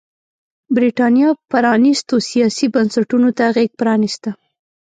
برېټانیا پرانيستو سیاسي بنسټونو ته غېږ پرانېسته.